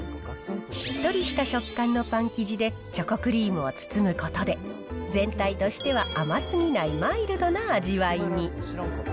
しっとりした食感のパン生地でチョコクリームを包むことで、全体としては甘すぎないマイルドな味わいに。